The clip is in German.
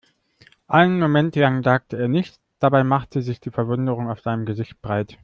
Einen Moment lang sagte er nichts, dabei machte sich Verwunderung auf seinem Gesicht breit.